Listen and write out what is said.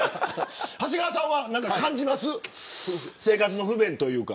長谷川さんは感じますか生活の不便というか。